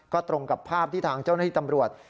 ก็ตรงกับภาพที่ทางเจ้าหน้าที่ตำรวจ